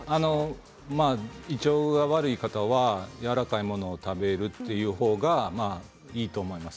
胃腸が悪い方はやわらかいものを食べるという方が、いいと思います。